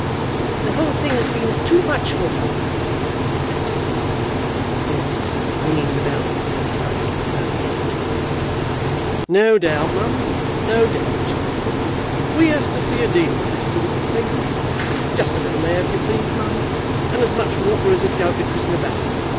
"The whole thing has been too much for her," said Mrs. Carbuncle severely, ringing the bell at the same time for further aid. "No doubt, mum; no doubt. We has to see a deal of this sort of thing. Just a little air, if you please, mum, and as much water as'd go to christen a babby.